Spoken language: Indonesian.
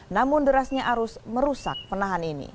namun derasnya arus merusak penahan ini